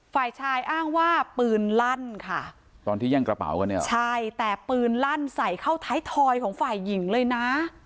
ฝ่ายชายอ้างว่าปืนลั่นค่ะตอนที่แย่งกระเป๋ากันเนี่ยใช่แต่ปืนลั่นใส่เข้าท้ายทอยของฝ่ายหญิงเลยนะ